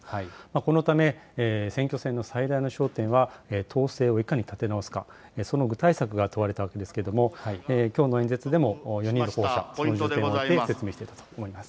このため、選挙戦の最大の焦点は、党勢をいかに立て直すか、その具体策が問われたわけですけれども、きょうの演説でも、４人の候補者、説明していたと思います。